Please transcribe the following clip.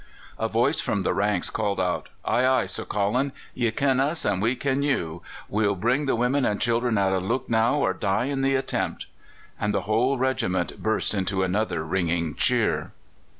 A voice from the ranks called out: "Ay, ay, Sir Colin! ye ken us, and we ken you. We'll bring the women and children out of Lucknow or die in the attempt;" and the whole regiment burst into another ringing cheer.